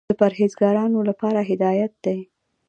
د پرهېزګارانو لپاره هدایت دى.